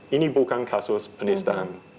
ini bukan kasus penistaan